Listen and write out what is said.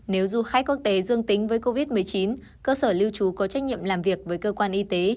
nếu du khách quốc tế dương tính với covid một mươi chín cơ sở lưu trú có trách nhiệm làm việc với cơ quan y tế